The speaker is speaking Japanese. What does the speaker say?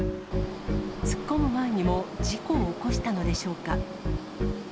突っ込む前にも事故を起こしたのでしょうか。